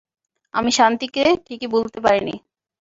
আমি শান্তি কে ঠিকি ভুলতে পারিনি।